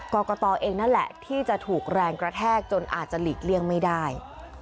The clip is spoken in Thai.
กรกตเองนั่นแหละที่จะถูกแรงกระแทกจนอาจจะหลีกเลี่ยงไม่ได้